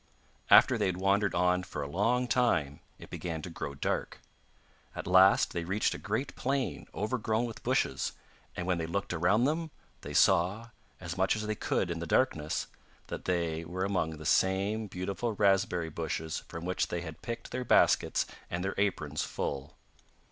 After they had wandered on for a long time it began to grow dark. At last they reached a great plain overgrown with bushes, and when they looked around them, they saw, as much as they could in the darkness, that they were among the same beautiful raspberry bushes from which they had picked their baskets and their aprons full.